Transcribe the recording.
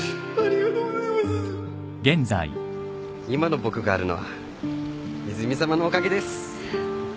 今の僕があるのは泉さまのおかげです。